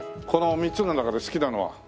この３つの中で好きなのは？